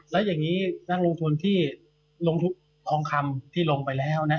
แล้วอย่างนี้นักลงทุนที่ลงทุนทองคำที่ลงไปแล้วนะ